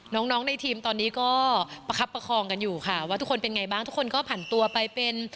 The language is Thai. น้องน้องในทีมตอนนี้ก็ประคับประคองกันอยู่ค่ะว่าทุกคนเป็นไงบ้างทุกคนก็ผ่านตัวไปเป็น